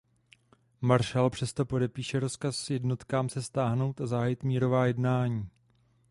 Maršál přesto podepíše rozkaz jednotkám se stáhnout a zahájit mírová jednání.